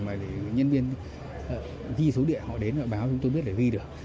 mà thì nhân viên ghi số điện họ đến họ báo chúng tôi biết để ghi được